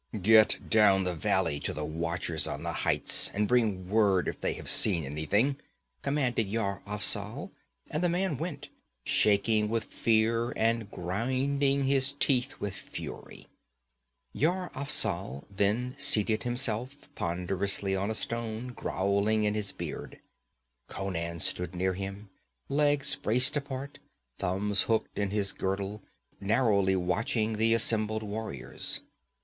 'Get down the valley to the watchers on the heights and bring word if they have seen anything,' commanded Yar Afzal, and the man went, shaking with fear and grinding his teeth with fury. Yar Afzal then seated himself ponderously on a stone, growling in his beard. Conan stood near him, legs braced apart, thumbs hooked in his girdle, narrowly watching the assembled warriors.